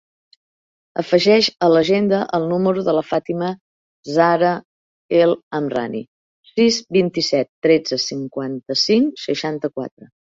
Afegeix a l'agenda el número de la Fàtima zahra El Amrani: sis, vint-i-set, tretze, cinquanta-cinc, seixanta-quatre.